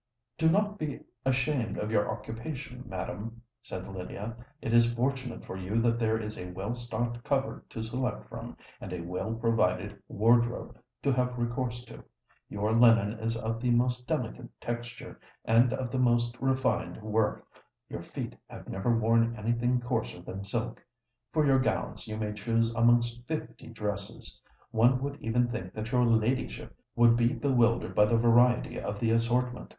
"Do not be ashamed of your occupation, madam," said Lydia. "It is fortunate for you that there is a well stocked cupboard to select from, and a well provided wardrobe to have recourse to. Your linen is of the most delicate texture, and of the most refined work: your feet have never worn any thing coarser than silk. For your gowns, you may choose amongst fifty dresses. One would even think that your ladyship would be bewildered by the variety of the assortment.